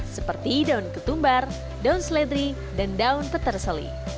seperti daun ketumbar daun seledri dan daun peterseli